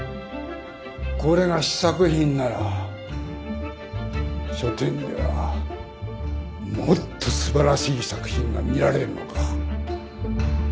これが試作品なら書展ではもっと素晴らしい作品が見られるのか。